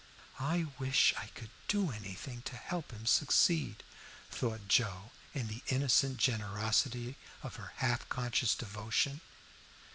"I wish I could do anything to help him to succeed," thought Joe, in the innocent generosity of her half conscious devotion.